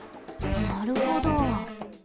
なるほど。